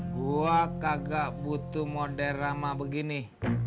gua kagak butuh mode ramah begini